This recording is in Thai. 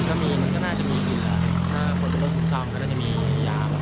หรืองักกินยาไหมต้องกินยาไหมครับแล้ว